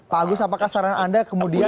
pak agus apakah saran anda kemudian